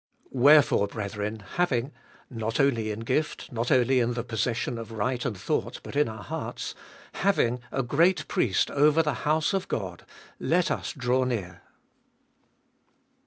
Wherefore, brethren, having, —not only in gift, not only in the possession of right and thought, but in our hearts, — having a great Priest over the house of God, let us draw near.